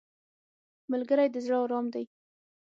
ملګری د زړه ارام دی